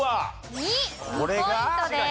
２。２ポイントです。